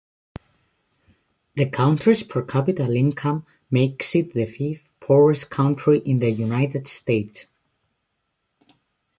The county's per-capita income makes it the fifth poorest county in the United States.